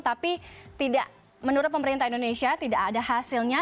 tapi tidak menurut pemerintah indonesia tidak ada hasilnya